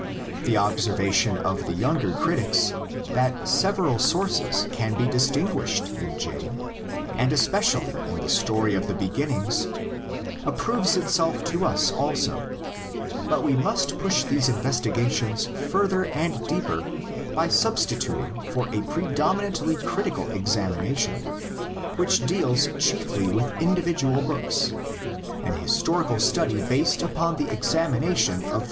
The observation of the younger critics that several sources can be dis tinguished in J, and especially in the story of the beginnings, approves itself to us also; but we must push these investigations further and deeper by sub stituting for a predominantly critical examination which deals chiefly with individual books, an his torical study based upon the examination of the 128 THE LEGENDS OF GENESIS.